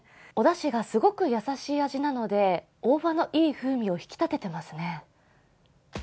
おだしがすごく優しい味なので大葉のいい風味を引き立ててますね。